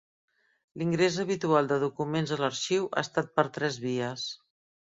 L'ingrés habitual de documents a l'arxiu ha estat per tres vies.